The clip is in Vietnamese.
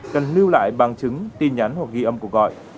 cần lưu lại bằng chứng tin nhắn hoặc ghi âm cuộc gọi